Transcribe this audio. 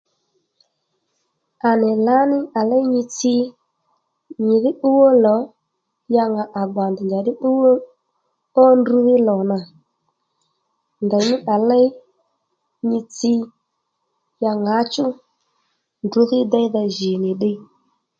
À nì lǎní à léy nyi tsǐ nyìdhí pbúw ó lò ya ŋà à gbà ndèy njàddí pbúw ó ndruní pbúw ó lò nà ndèymí à léy nyi tsi ya ŋǎchú ndrǔ dhí déydha jì nì ddiy